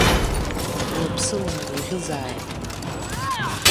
Лыԥсы лымгәаӷьызааит!